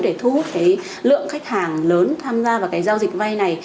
để thu hút cái lượng khách hàng lớn tham gia vào cái giao dịch vay này